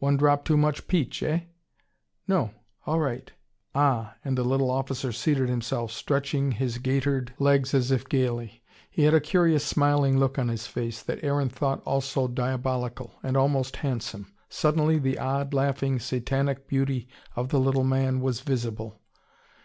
"One drop too much peach, eh?" "No, all right." "Ah," and the little officer seated himself, stretching his gaitered legs as if gaily. He had a curious smiling look on his face, that Aaron thought also diabolical and almost handsome. Suddenly the odd, laughing, satanic beauty of the little man was visible.